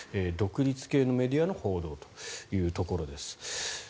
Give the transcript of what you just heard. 独立系のメディアの報道というところです。